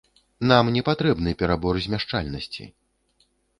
Нам не патрэбны перабор змяшчальнасці.